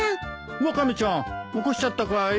ワカメちゃん起こしちゃったかい？